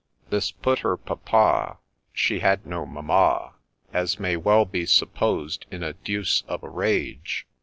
This put her Papa — She had no Mamma — As may well be supposed, in a deuce of a rage.